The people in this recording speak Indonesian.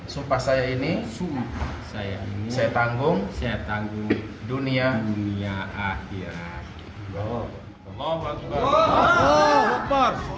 sumpah saya ini saya tanggung dunia akhirat